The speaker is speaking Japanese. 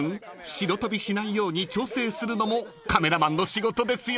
白飛びしないように調整するのもカメラマンの仕事ですよ］